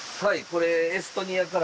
これエストニアから。